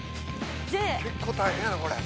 結構大変やなこれ。